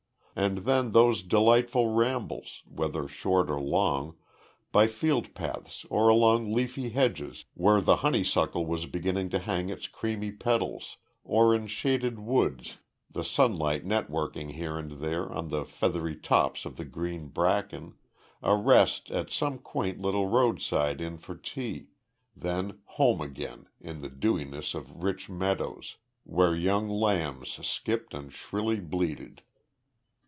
And then those delightful rambles, whether short or long, by field paths or along leafy hedges where the honeysuckle was beginning to hang its creamy petals, or in shaded woods, the sunlight networking here and there on the feathery tops of the green bracken, a rest at some quaint little roadside inn for tea, then home again in the dewiness of rich meadows, where young lambs skipped and shrilly bleated.